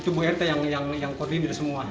itu bu rt yang koordinir semua